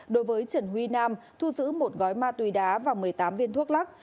đối với trần huy nam thu giữ một gói ma túy đá và một mươi tám viên thuốc lắc